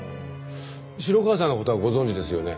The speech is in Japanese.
城川さんの事はご存じですよね？